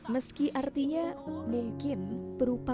hasilnya lumayan tiga empat ribu per buah